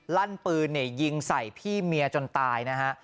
ลั่นปืนยิงใส่พี่เมียจนตายนะฮะ